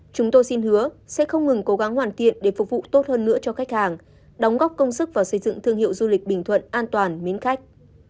chúng tôi xin hứa sẽ không ngừng cố gắng hoàn thiện để phục vụ tốt hơn nữa cho khách hàng đóng góp công sức vào xây dựng thương hiệu du lịch bình thuận an toàn mến khách